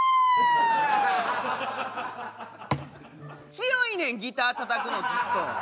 強いねんギターたたくのずっと！